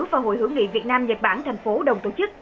và hội hữu nghị việt nam nhật bản thành phố đồng tổ chức